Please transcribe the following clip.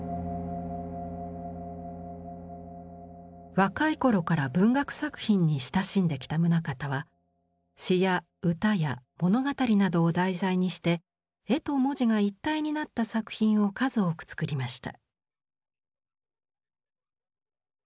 若い頃から文学作品に親しんできた棟方は詩や歌や物語などを題材にして絵と文字が一体になった作品を数多くつくりました。